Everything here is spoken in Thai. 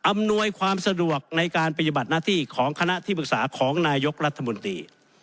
อำนวยความสะดวกในการปฏิบัติหน้าที่ของคณะที่ปรึกษาของนายกรัฐมนตรี